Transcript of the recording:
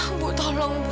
ibu tolong bu